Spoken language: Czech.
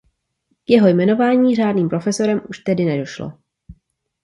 K jeho jmenování řádným profesorem už tedy nedošlo.